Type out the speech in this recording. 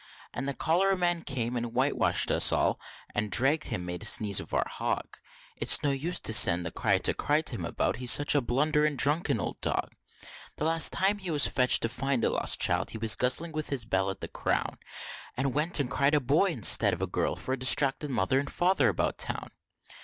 And the Cholera man came and whitewash'd us all and, drat him, made a seize of our hog, It's no use to send the Crier to cry him about, he's such a blunderin drunken old dog; The last time he was fetched to find a lost child, he was guzzling with his bell at the Crown, And went and cried a boy instead of a girl, for a distracted Mother and Father about Town.